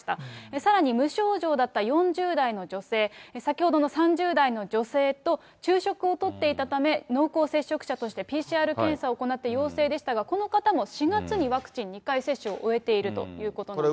さらに、無症状だった４０代の女性、先ほどの３０代の女性と昼食をとっていたため、濃厚接触者としてＰＣＲ検査を行って、陽性でしたが、この方も４月にワクチン２回接種を終えているということなんです